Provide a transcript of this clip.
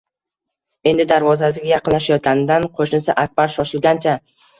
Endi darvozasiga yaqinlashayotganidan qo`shnisi Akbar shoshilgancha